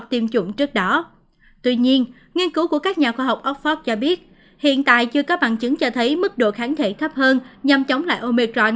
tuy nhiên nghiên cứu của các nhà khoa học oxford cho biết hiện tại chưa có bằng chứng cho thấy mức độ kháng thể thấp hơn nhằm chống lại omecron